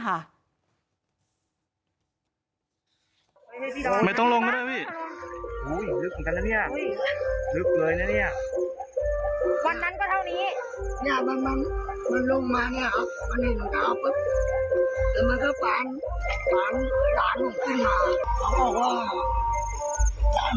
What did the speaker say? เขาบอกว่า